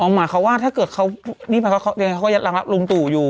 อ๋อหมายความว่าถ้าเกิดเขายัดรักลุงตู่อยู่